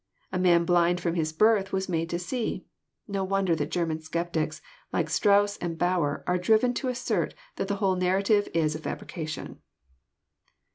A man blind from his birth was made to see !"— No wonder that German sceptics, like Strauss and Bauer, are driven to assert that the whole narrative is a fabrication.